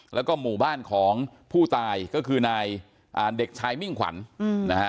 แล้วก็หมู่บ้านของผู้ตายก็คือนายอ่าเด็กชายมิ่งขวัญนะฮะ